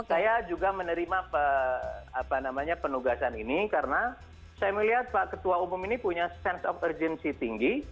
saya juga menerima penugasan ini karena saya melihat pak ketua umum ini punya sense of urgency tinggi